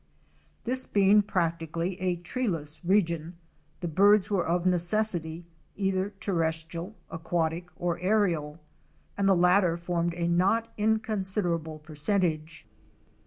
This being practically a treeless region, the birds were of necessity either terrestrial, aquatic or aérial, and the latter formed a not inconsiderable percentage.